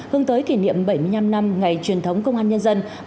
hướng tới kỷ niệm bảy mươi năm năm ngày truyền thống công an nhân dân